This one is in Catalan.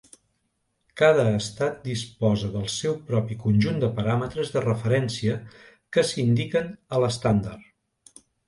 Cada estat disposa del seu propi conjunt de paràmetres de referència que s'indiquen a l'estàndard.